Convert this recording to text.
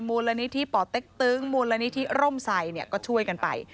มูลนิธิป่อเต็กตึงมูลนิธิร่มใส่ก็ช่วยกันไป